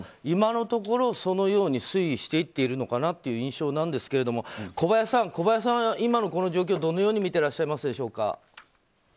今のところ、そのように推移していっているのかなという印象なんですけれども小林さんは今のこの状況をどのように見てらっしゃいますでしょうか。